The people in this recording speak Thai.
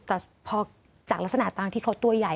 แต่พอจากลักษณะตังค์ที่เขาตัวใหญ่